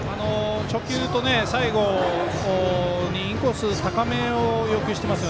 初球と最後インコース高めを要求しています